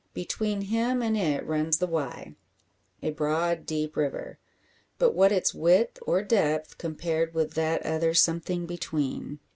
Between him and it runs the Wye, a broad deep river. But what its width or depth, compared with that other something between?